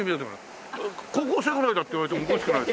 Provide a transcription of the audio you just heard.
高校生ぐらいだって言われてもおかしくない。